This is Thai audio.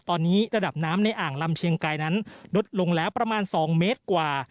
ตอนนี้ระดับน้ำในอ่างลำเชียงไกรนั้นลดลงแล้วประมาณ๒เมตรกว่า